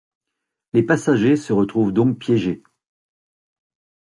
Les passagers se retrouvent donc piégés.